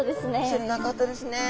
釣れなかったですね。